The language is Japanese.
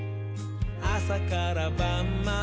あさからばんまで」